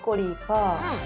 うん！